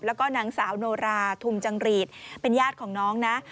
แล้วก็นางสาวโนราธุมจังหรีดเป็นญาติของน้องนะ